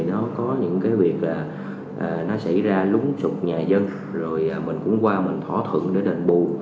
nó có những cái việc là nó xảy ra lúng sụp nhà dân rồi mình cũng qua mình thỏa thuận để đền bù